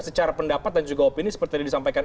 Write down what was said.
secara pendapat dan juga opini seperti tadi disampaikan